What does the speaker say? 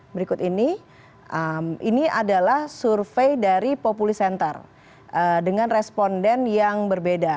berikut ini ini adalah survei dari populi center dengan responden yang berbeda